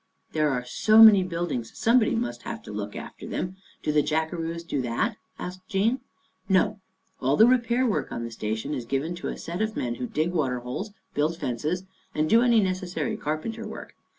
" There are so many buildings somebody must have to look after them. Do the jackaroos do that? " asked Jean. " No, all the repair work on the station is given to a set of men who dig water holes, build fences, and do any necessary carpenter work.